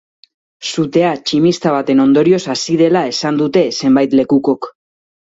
Sutea tximista baten ondorioz hasi dela esan dute zenbait lekukok.